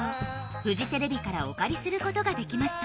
フジテレビからお借りすることができました